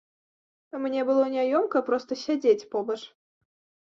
Мне было няёмка проста сядзець побач.